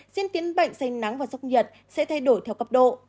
diễn tiến bệnh sanh nắng và sốc nhiệt sẽ thay đổi theo cấp độ